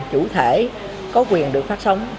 chủ thể có quyền được phát sóng